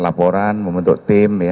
laporan membentuk tim